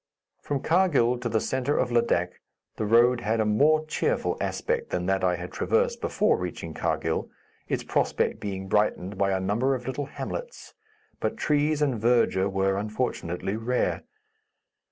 From Karghil to the centre of Ladak, the road had a more cheerful aspect than that I had traversed before reaching Karghil, its prospect being brightened by a number of little hamlets, but trees and verdure were, unfortunately, rare.